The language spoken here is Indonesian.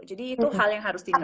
jadi itu hal yang harus dinerima